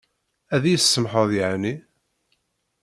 Ad yi-tsamḥeḍ yeεni?